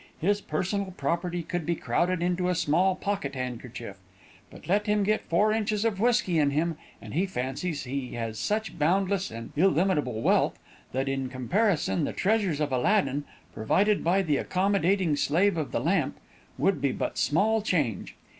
His personal property could be crowded into a small pocket handkerchief; but let him get four inches of whisky in him, and he fancies he has such boundless and illimitable wealth, that in comparison, the treasures of Aladdin, provided by the accommodating slave of the lamp, would be but small change.